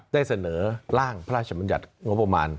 ได้เสนอร่างพระราชบัญญัติงบประมาณ